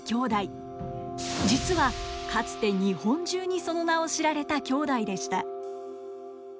実はかつて日本中にその名を知られた兄弟でした。